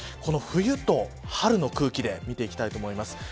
冬と春の空気で見ていきたいと思います。